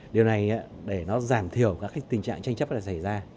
điều này để nó giảm thiểu các tình trạng tranh chấp này xảy ra